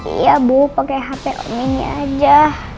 iya bu pakai hp om ini aja